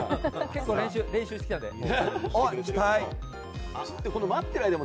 結構練習してたので。